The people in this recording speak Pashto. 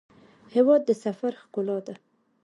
هېواد د سفر ښکلا ده.